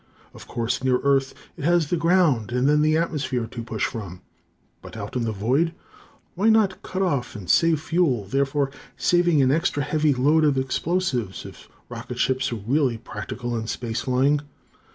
Of course, near Earth it has the ground and then the atmosphere to push from, but out in the void, why not cut off and save fuel, therefore saving an extra heavy load of explosives, if rocket ships were really practical in space flying?